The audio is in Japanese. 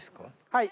はい。